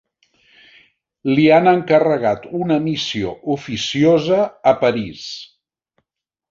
Li han encarregat una missió oficiosa a París.